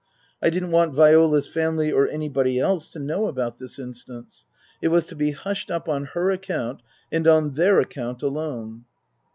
I didn't want Viola's family or anybody else to know about this instance. It was to be hushed up on her account and on their account alone.